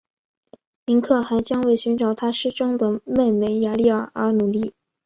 林克还将为寻找他失踪的妹妹雅丽儿而努力。